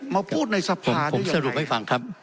มาพูดในสะพานด้วยอย่างไรผมผมสรุปให้ฟังครับ